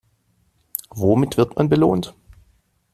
Womit wird man belohnt?